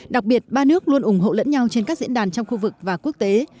đặc biệt ba nước luôn ủng hộ lẫn nhau trên các diễn đàn trong khu vực và quốc tế